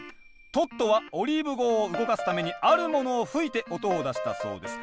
トットはオリーブ号を動かすためにあるものを吹いて音を出したそうです。